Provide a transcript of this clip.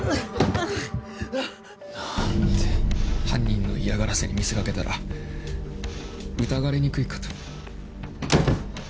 犯人の嫌がらせに見せ掛けたら疑われにくいかと。